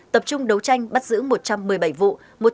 tập trung đấu tranh bắt giữ một trăm một mươi bảy vụ